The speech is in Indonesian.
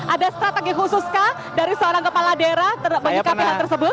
ada strategi khusus kah dari seorang kepala daerah terbanyak kata kata tersebut